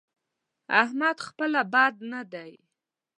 احمد خپله بد نه دی؛